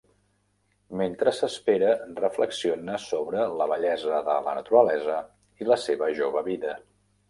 Mentre s'espera, reflexiona sobre la bellesa de la naturalesa i la seva jove vida.